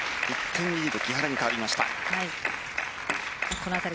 １点リード木原に変わりました。